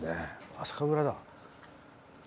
あ酒蔵だ。